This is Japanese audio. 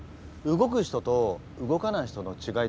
動く人と動かない人のちがい？